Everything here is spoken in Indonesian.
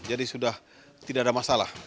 jadi sudah tidak ada masalah